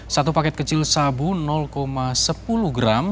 satu paket kecil sabu sepuluh gram